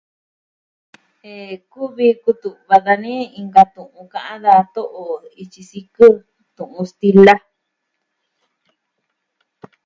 Eh, kuvi kutu'va dani inka tu'un ka'an da to'o ityi sikɨ, tu'un stila.